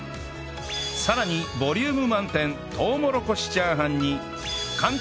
さらにボリューム満点とうもろこしチャーハンに簡単！